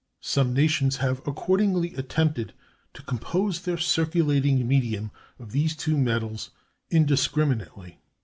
Some nations have accordingly attempted to compose their circulating medium of these two metals indiscriminately.